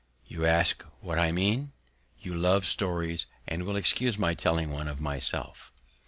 You ask what I mean? You love stories, and will excuse my telling one of myself.